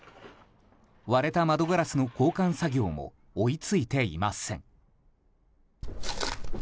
割れた窓ガラスの交換作業も追いついていません。